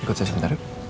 ikut saya sebentar yuk